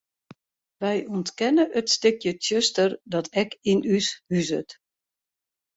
Wy ûntkenne it stikje tsjuster dat ek yn ús huzet.